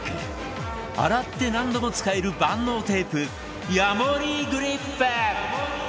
洗って何度も使える万能テープヤモリグリップ